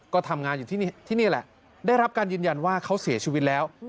ก็ทำงานอยู่ที่นี่แหละได้รับการยืนยันว่าเขาเสียชีวิตแล้ว